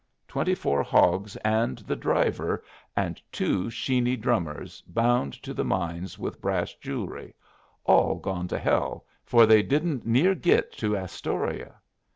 Twenty four hogs and the driver, and two Sheeny drummers bound to the mines with brass jew'lry, all gone to hell, for they didn't near git to Astoria.